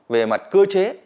về mặt cơ chế